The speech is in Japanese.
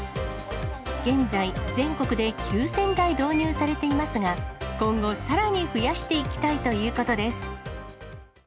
現在、全国で９０００台導入されていますが、今後さらに増やしていきたいということです。